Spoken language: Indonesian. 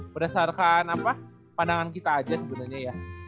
berdasarkan apa pandangan kita aja sebenernya ya